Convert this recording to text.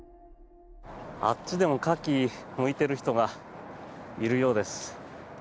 あっちでもカキをむいている人がいるようです。